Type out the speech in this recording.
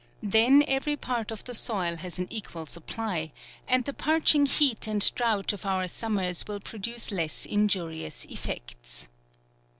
Then every part of the soil has an equal supply, and the parching heat and droughts of our summers will pro duce less injurious effects.